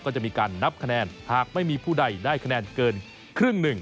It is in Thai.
ก็จะมีการนับคะแนนหากไม่มีผู้ใดได้คะแนนเกินครึ่งหนึ่ง